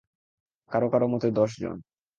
কারো কারো মতে দশজন।